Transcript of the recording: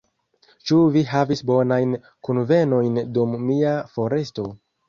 Ĉu vi havis bonajn kunvenojn dum mia foresto?